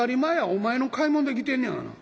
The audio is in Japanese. お前の買い物で来てんねやがな」。